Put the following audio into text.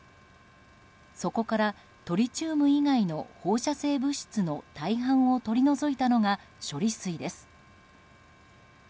そこからトリチウム以外の放射性物質の大半を取り除いたのが処理水です。